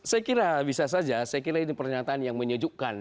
saya kira bisa saja saya kira ini pernyataan yang menyejukkan